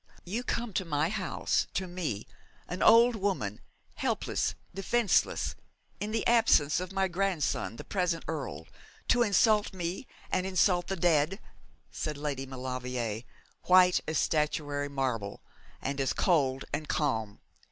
'You come to my house, to me, an old woman, helpless, defenceless, in the absence of my grandson, the present Earl, to insult me, and insult the dead,' said Lady Maulevrier, white as statuary marble, and as cold and calm.